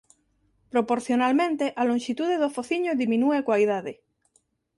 Proporcionalmente a lonxitude do fociño diminúe coa idade.